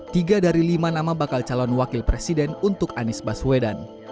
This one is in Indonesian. tiga dari lima nama bakal calon wakil presiden untuk anies baswedan